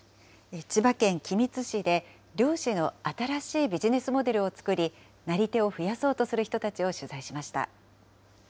千葉県君津市で猟師の新しいビジネスモデルを作り、なり手を増やそうとする人たちを取材しました。